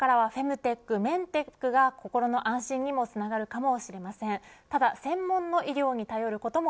これからはフェイムテックやメンテックが心の安心にもつながるかもしれません。